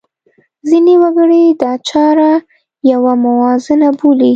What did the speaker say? ځینې وګړي دا چاره یوه موازنه بولي.